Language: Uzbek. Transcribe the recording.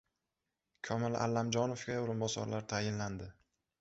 Komil Allamjonovga o‘rinbosarlar tayinlandi